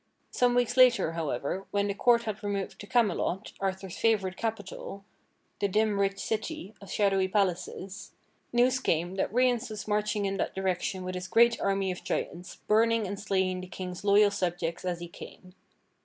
Some weeks later, however, when the court had removed to Camelot, Arthur's 94 THE DOLOROUS STROKE 95 favorite capital — the dim rich city of shadowy palaces — news came that Rience was marching in that direction with his great army of giants, burning and slaying the King's loyal subjects as he came.